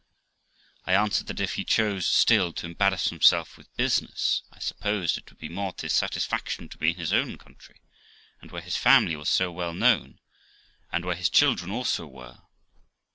I answered, that if he chose still to embarrass himself with business, I supposed it would be more to his satisfaction to be in his own country, and where his family was so well known, and where his children also were.